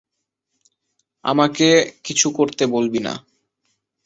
আমাকে কিছু করতে বলবি না!